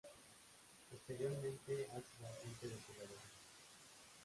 Posteriormente, ha sido agente de jugadores.